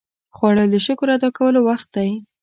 خوړل د شکر ادا کولو وخت دی